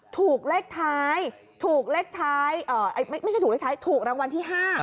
ถูกเลขท้ายถูกเลขท้ายไม่ใช่ถูกเลขท้ายถูกรางวัลที่๕